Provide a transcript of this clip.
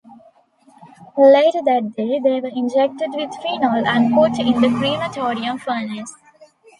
Later that day, they were injected with phenol and put in the crematorium furnace.